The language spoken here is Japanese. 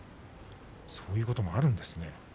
そういうこともあるんですね。